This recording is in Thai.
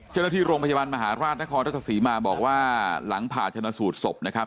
เจ้าหน้าที่โรงพยาบาลมหาราชนครราชศรีมาบอกว่าหลังผ่าชนะสูตรศพนะครับ